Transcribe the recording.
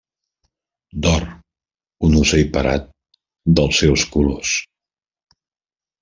D'or, un ocell parat, dels seus colors.